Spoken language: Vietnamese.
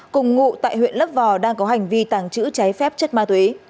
cùng ngụ tại huyện lấp vò đang có hành vi tàng trữ trái phép chất ma túy